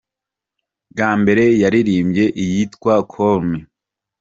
Bwa mbere yaririmbye iyitwa ‘Call me’.